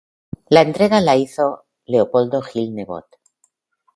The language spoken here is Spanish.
La entrega la hizo Leopoldo Gil Nebot.